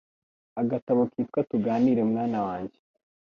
agatabo kitwa Tuganire mwana wanjye